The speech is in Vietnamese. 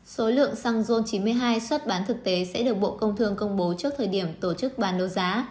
số lượng xăng ron chín mươi hai xuất bán thực tế sẽ được bộ công thương công bố trước thời điểm tổ chức bàn đấu giá